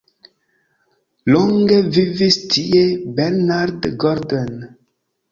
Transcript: Longe vivis tie Bernard Golden.